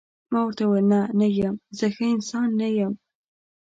ما ورته وویل: نه، نه یم، زه ښه انسان نه یم.